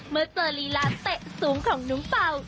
เมื่อเจอลีลาเตะสูงของน้องเป่า